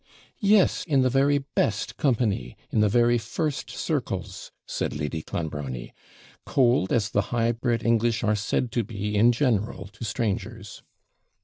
'Yes, in the very best company in the very first circles,' said Lady Clonbrony; 'cold as the high bred English are said to be in general to strangers.'